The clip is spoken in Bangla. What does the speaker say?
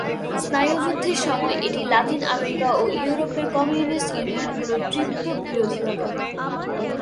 স্নায়ুযুদ্ধের সময় এটি লাতিন আমেরিকা ও ইউরোপের কমিউনিস্ট ইউনিয়নগুলোর তীব্র বিরোধিতা করে।